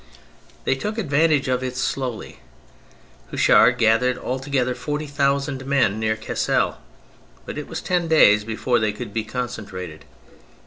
They took advantage of it slowly. Houchard gathered altogether forty thousand men near Cassel, but it was ten days before they could be concentrated.